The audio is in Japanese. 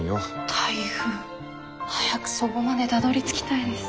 台風早くそごまでたどりつきたいです。